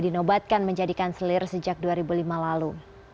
dinobatkan menjadikan selir sejak dua ribu lima lalu